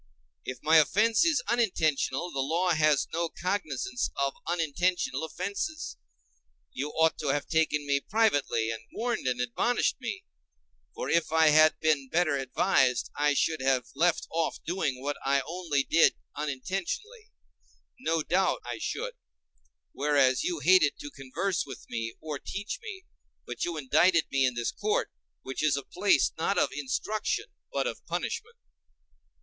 If my offence is unintentional, the law has no cognizance of unintentional offences: you ought to have taken me privately, and warned and admonished me; for if I had been better advised, I should have left off doing what I only did unintentionally—no doubt I should; whereas you hated to converse with me or teach me, but you indicted me in this court, which is a place not of instruction, but of punishment.